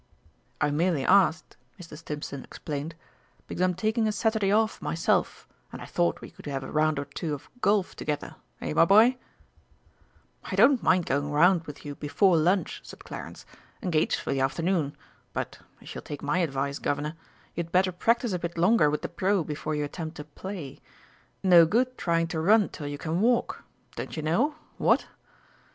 "I merely asked," Mr. Stimpson explained, "because I'm taking a Saturday off myself, and I thought we could have a round or two of golf together, eh, my boy?" "I don't mind going round with you before lunch," said Clarence. "Engaged for the afternoon; but, if you'll take my advice, Governor, you'd better practise a bit longer with the Pro before you attempt to play. No good trying to run till you can walk, don't you know, what?"